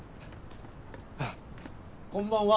こんばんは。